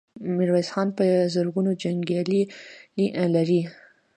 ميرويس خان په زرګونو جنګيالي لري.